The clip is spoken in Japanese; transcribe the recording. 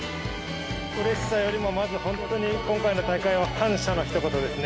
うれしさよりもまず本当に、今回の大会は感謝のひと言ですね。